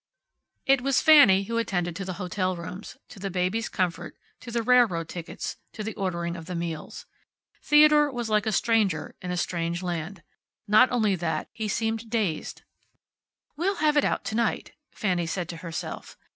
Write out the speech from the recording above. It was Fanny who attended to the hotel rooms, to the baby's comfort, to the railroad tickets, to the ordering of the meals. Theodore was like a stranger in a strange land. Not only that, he seemed dazed. "We'll have it out to night," Fanny said to herself.